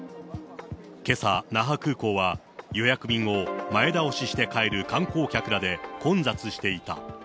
けさ、那覇空港は予約便を前倒しして帰る観光客らで混雑していた。